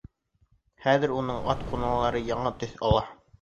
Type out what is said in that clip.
Хәҙер уның ат ҡуналары яңы төҫ ала.